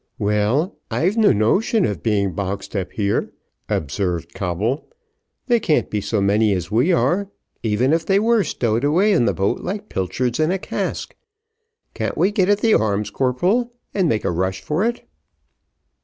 "Well, I've no notion of being boxed up here," observed Coble, "they can't be so many as we are, even if they were stowed away in the boat, like pilchards in a cask. Can't we get at the arms, corporal, and make a rush for it."